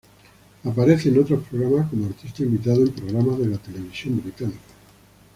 Aparece en otros programas como artista invitado en programas de la televisión británica.